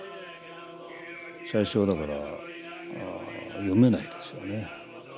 最初はだから読めないですよね。